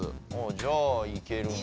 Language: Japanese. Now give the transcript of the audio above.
じゃあいけるんかな？